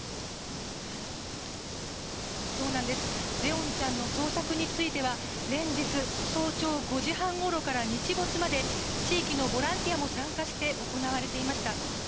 怜音ちゃんの捜索については連日、早朝５時半ごろから日没まで地域のボランティアも参加して行われていました。